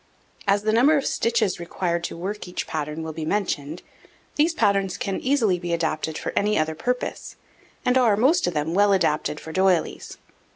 As the number of stitches required to work each pattern will be mentioned, these patterns can easily be applied for any other purpose, and are most of them well adapted for doilies.